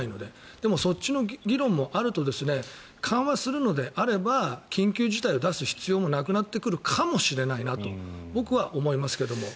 でも、そっちの議論もあると緩和するのであれば緊急事態を出す必要もなくなってくるかもしれないなと僕は思いますけども。